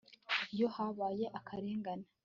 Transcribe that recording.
iyo habaye akarengane